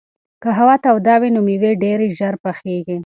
که هوا توده وي نو مېوې ډېرې ژر پخېږي.